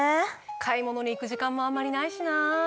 買い物に行く時間もあんまりないしなぁ。